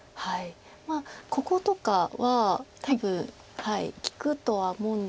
こことかは多分利くとは思うんですけれども。